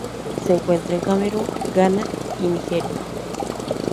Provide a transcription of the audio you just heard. Se encuentra en Camerún, Ghana y Nigeria.